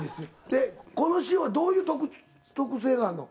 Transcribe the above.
でこの塩はどういう特性があんの？